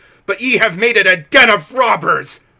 But ye have made it a den of robbers.